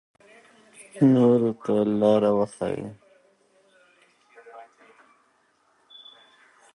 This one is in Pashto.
نورو ته لار وښایئ.